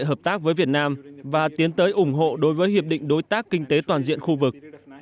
hợp tác với việt nam và tiến tới ủng hộ đối với hiệp định đối tác kinh tế toàn diện khu vực